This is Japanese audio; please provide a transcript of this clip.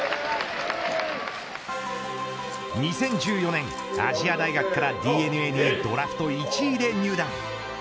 ２０１４年、亜細亜大学からＤｅＮＡにドラフト１位で入団。